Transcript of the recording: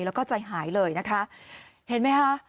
แล้วก็ใจหายเลยนะคะเห็นไหมคะ